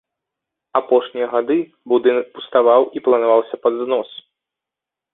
Апошнія гады будынак пуставаў і планаваўся пад знос.